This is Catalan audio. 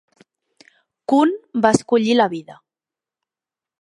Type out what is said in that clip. Kun va escollir la vida.